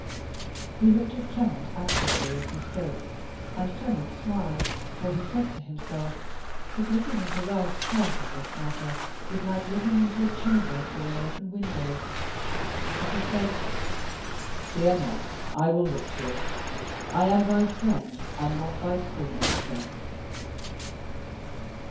He looked at Clement anxiously as he spoke; and Clement smiled, for he said to himself that looking into Ralph's heart on this matter was like looking into a chamber through an open window. But he said: "Fear not but I will look to it; I am thy friend, and not thy schoolmaster."